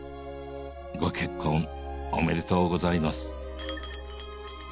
ご結婚おめでとうございます。